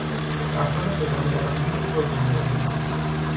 رفتار ستمگرانهی او با زندانیان